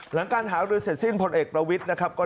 หลังการหาอยู่เหลือเสร็จซิ้นพลเอกประวิทธิ์นะครับ